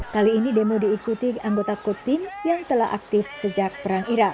kali ini demo diikuti anggota kodpin yang telah aktif sejak perang irak